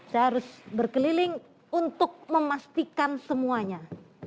saya harus berkeliling untuk memastikan semuanya